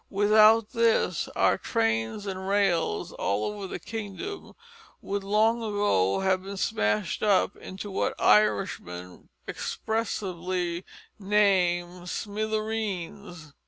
Without this, our trains and rails all over the kingdom would long ago have been smashed up into what Irishmen expressively name smithereens.